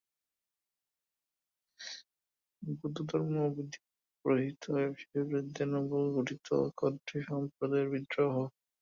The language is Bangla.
বৌদ্ধধর্ম বৈদিক পৌরোহিত্য-ব্যবসায়ের বিরুদ্ধে নব-গঠিত ক্ষত্রিয়-সম্প্রদায়ের বিদ্রোহ।